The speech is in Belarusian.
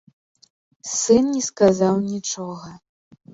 Сын не сказаў нічога.